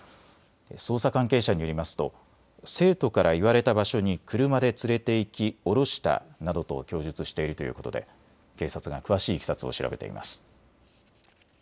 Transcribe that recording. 捜査関係者によりますと生徒から言われた場所に車で連れて行き降ろしたなどと供述しているということで警察が詳しいいきさつを調べています。